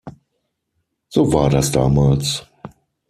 So war das damals.